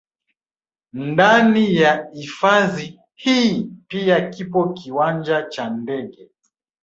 Ndani ya hifadhi hii pia kipo kiwanja cha ndege